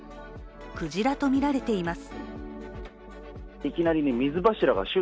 くじらとみられています。